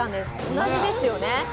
同じですよね。